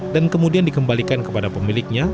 dan kemudian dikembalikan kepada pemiliknya